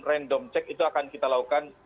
random check itu akan kita lakukan